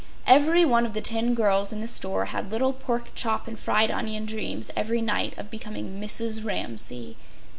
Every one of the ten girls in the store had little pork chop and fried onion dreams every night of becoming Mrs. Ramsay.